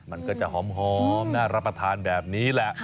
มันก็จะหอมน่ารับประทานแบบนี้แหละ